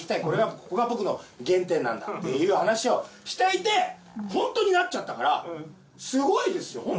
これはここが僕の原点なんだっていう話をしていてホントになっちゃったからすごいですよ